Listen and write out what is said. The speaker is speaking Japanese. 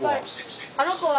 あの子は。